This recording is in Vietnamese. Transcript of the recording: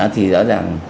thì rõ ràng